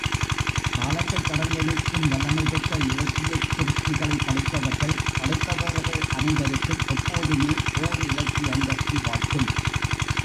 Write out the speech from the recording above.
காலத்தைக் கடந்து நிற்கும் வல்லமைபெற்ற இலக்கியச் சிருஷ்டிகளைப் படைத்தவர்கள் படைப்பவர்கள் அனைவருக்கும் எப்போதுமே ஓர் இலக்கிய அந்தஸ்து வாய்க்கும்.